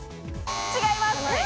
違います！